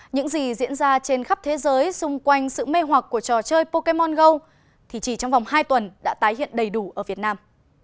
những gì diễn ra trên khắp thế giới xung quanh sự mê hoặc của trò chơi pokemon go thì chỉ trong vòng hai tuần đã tái hiện đầy đủ ở việt nam